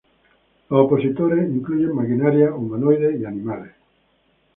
Los opositores incluyen maquinaria, humanoides y animales.